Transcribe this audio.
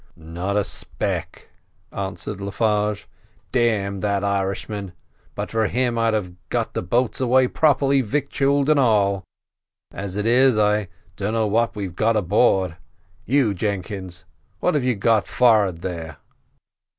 "Not a speck," answered Le Farge. "Damn that Irishman! but for him I'd have got the boats away properly victualled and all; as it is I don't know what we've got aboard. You, Jenkins, what have you got forward there?"